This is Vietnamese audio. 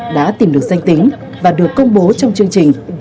đã tìm được danh tính và được công bố trong chương trình